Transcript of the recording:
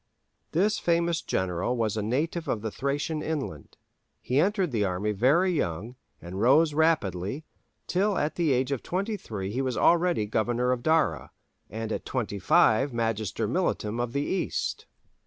This famous general was a native of the Thracian inland; he entered the army very young, and rose rapidly, till at the age of twenty three he was already Governor of Dara, and at twenty five Magister militum of the East.